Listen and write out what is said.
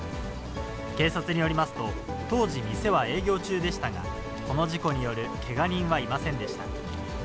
警察によりますと、当時、店は営業中でしたが、この事故によるけが人はいませんでした。